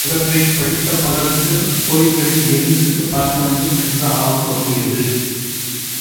இவற்றைப் படித்த பலருக்கு அக்கோயில்களை நேரில் சென்று பார்க்க வேண்டும் என்ற ஆவல் தோன்றியது.